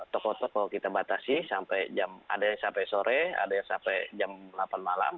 toko toko kita batasi sampai jam ada yang sampai sore ada yang sampai jam delapan malam